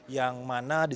yang mana disetujui